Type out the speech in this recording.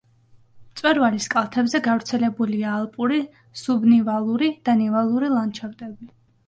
მწვერვალის კალთებზე გავრცელებულია ალპური, სუბნივალური და ნივალური ლანდშაფტები.